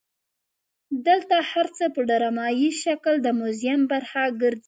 دلته هر څه په ډرامایي شکل د موزیم برخه ګرځي.